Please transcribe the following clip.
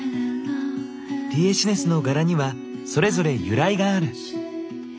リエシネスの柄にはそれぞれ由来がある。